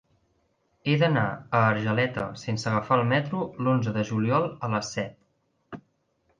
He d'anar a Argeleta sense agafar el metro l'onze de juliol a les set.